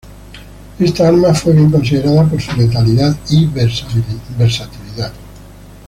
Esta arma fue bien considerada por su letalidad y versatilidad.